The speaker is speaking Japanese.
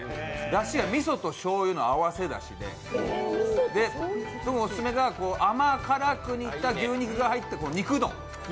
だしがみそとしょうゆの合わせだしで、どうも甘辛く煮た牛肉が入った肉うどん。